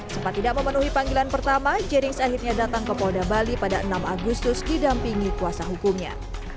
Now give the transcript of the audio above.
sempat tidak memenuhi panggilan pertama jerings akhirnya datang ke polda bali pada enam agustus didampingi kuasa hukumnya